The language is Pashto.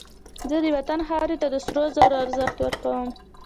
زه د وطن خاورې ته د سرو زرو ارزښت ورکوم